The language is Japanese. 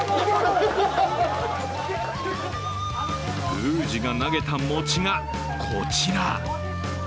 宮司が投げた餅がこちら。